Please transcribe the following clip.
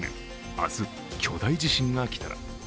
あす巨大地震が来たら」